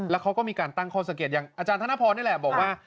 แล้วเขาก็มีการตั้งข้อสังเกตอย่างอาจารย์ธนพรนี่แหละบอกว่า